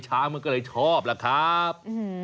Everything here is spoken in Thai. ช้างมันก็เลยชอบล่ะครับ